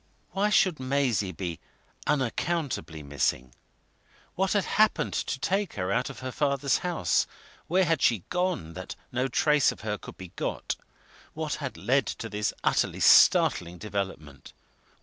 Why should Maisie be "unaccountably" missing? What had happened to take her out of her father's house? where had she gone, that no trace of her could be got? what had led to this utterly startling development?